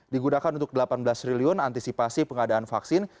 digunakan untuk delapan belas triliun antisipasi pengadaan vaksin